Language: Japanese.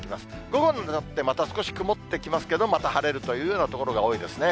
午後になってまた少し曇ってきますけど、また晴れるというような所が多いですね。